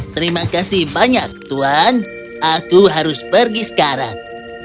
terima kasih banyak tuhan aku harus pergi sekarang